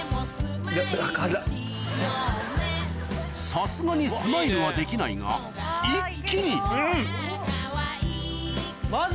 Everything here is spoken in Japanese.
さすがにスマイルはできないが一気に・マジ？